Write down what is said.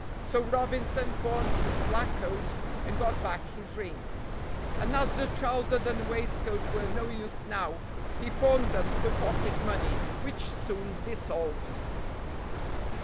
So Robinson pawned his black coat and got back his ring; and as the trousers and waistcoat were no use now, he pawned them for pocket money, which soon dissolved.